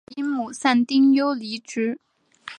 不久因母丧丁忧离职。